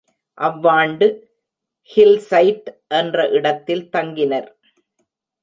அவ்வாண்டு hillside என்ற இடத்தில் தங்கினர்.